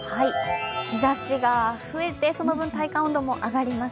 日ざしが増えてその分、体感温度も上がります。